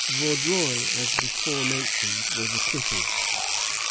Vaudreuil, as before mentioned, was acquitted.